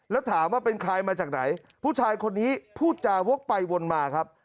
แล้วถามว่าเป็นใครมาจากไหนผู้ชายคนนี้พูดจาวกไปวนมาครับ